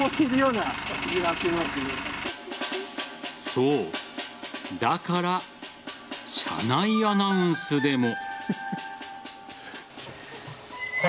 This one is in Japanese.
そう、だから車内アナウンスでも。